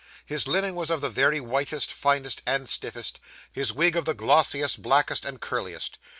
His linen was of the very whitest, finest, and stiffest; his wig of the glossiest, blackest, and curliest.